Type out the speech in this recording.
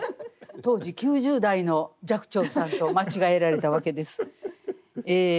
当時９０代の寂聴さんと間違えられたわけです。